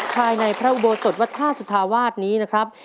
ภายในพระอุโบสถวัดท่าสุธาวาสนี้นะครับ